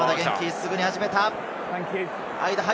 すぐに始めた！